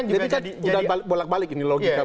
jadi kan udah bolak balik ini logika